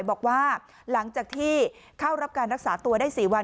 บอกว่าหลังจากที่เข้ารับการรักษาตัวได้๔วัน